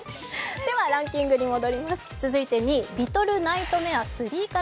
ではランキングに戻ります。